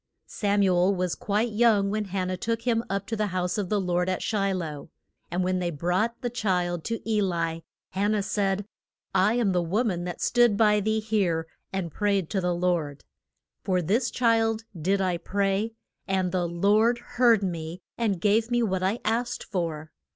Sam u el was quite young when Han nah took him up to the house of the Lord at Shi loh. And when they brought the child to E li, Han nah said, I am the wo man that stood by thee here and prayed to the Lord. For this child did I pray, and the Lord heard me and gave me what I asked for.